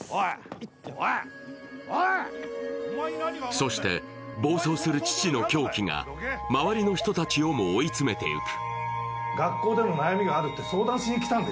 そして、暴走する父の狂気が周りの人たちをも追い詰めていく。